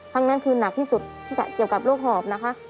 ครั้งนั้นคือหนักที่สุดเกี่ยวกับโรคหอบนะคะ